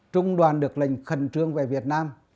trung đoàn được lệnh khẩn trương về việt nam